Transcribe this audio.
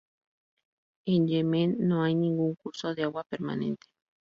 En Yemen no hay ningún curso de agua permanente.